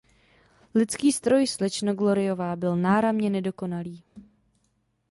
Lidský stroj, slečno Gloryová, byl náramně nedokonalý.